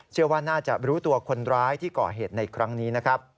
เชื่อว่าน่าจะรู้ตัวคนร้ายที่ก่อเหตุในครั้งนี้นะครับ